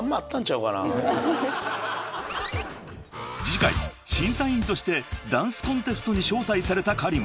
［次回審査員としてダンスコンテストに招待されたＫａｒｉｍ］